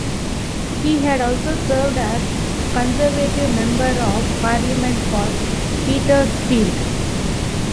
He had also served as Conservative Member of Parliament for Petersfield.